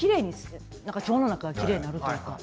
腸の中がきれいになるというか。